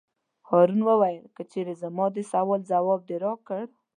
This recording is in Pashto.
هارون وویل: که چېرې زما د سوال ځواب دې راکړ.